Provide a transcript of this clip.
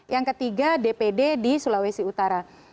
yang ketiga dpd di sulawesi utara